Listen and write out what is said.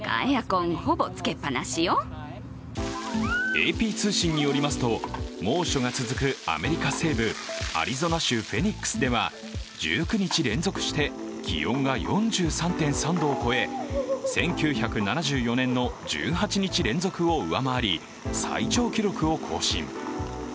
ＡＰ通信によりますと、猛暑が続くアメリカ西部アリゾナ州フェニックスでは１９日連続して気温が４３．３度を超え、１９７４年の１８日連続を上回り、最長記録を更新。